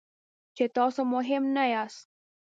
چې تاسو مهم نه یاست.